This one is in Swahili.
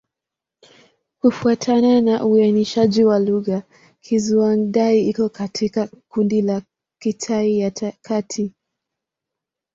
Kufuatana na uainishaji wa lugha, Kizhuang-Dai iko katika kundi la Kitai ya Kati.